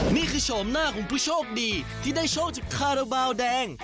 โฉมหน้าของผู้โชคดีที่ได้โชคจากคาราบาลแดง